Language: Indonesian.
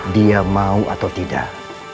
dia mau atau tidak